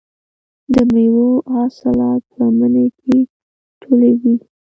د میوو حاصلات په مني کې ټولېږي.